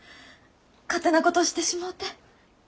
勝手なことしてしもうて。